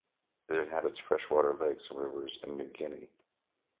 It inhabits freshwater lakes and rivers in New Guinea.